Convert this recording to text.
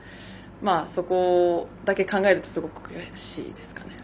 そこだけ考えるとすごく悔しいですかね。